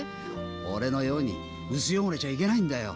俺のように薄汚れちゃいけないんだよ。